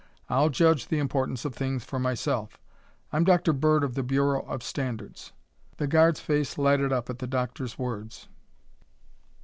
I'll judge the importance of things for myself. I'm Dr. Bird of the Bureau of Standards." The guard's face lighted up at the doctor's words.